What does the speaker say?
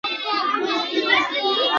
پرنګیانو د افغان غازیانو مقابله ونه کړه.